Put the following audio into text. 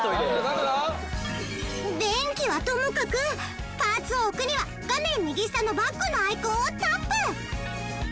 便器はともかくパーツを置くには画面右下のバッグのアイコンをタップ！